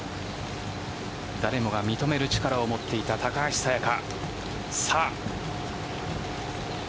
誰もが認める力を持っていた高橋彩華さあ。